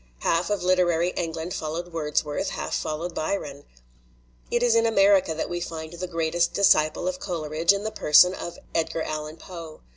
Half of literary England fol lowed Wordsworth, half followed Byron. It is in America that we find the greatest disciple of Coleridge in the person of Edgar Allan Poe.